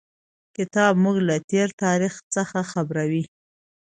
کتاب موږ له تېر تاریخ څخه خبروي.